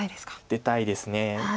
出たいです。